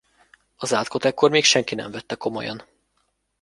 Az átkot ekkor még senki nem vette komolyan.